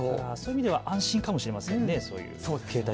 そういう意味では安心かもしれないですね。